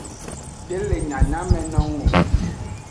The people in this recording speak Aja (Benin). De le nyanyamenung o.